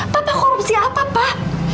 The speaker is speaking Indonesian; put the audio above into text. papa korupsi apa pak